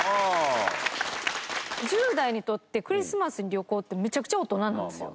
１０代にとってクリスマスに旅行ってめちゃくちゃ大人なんですよ。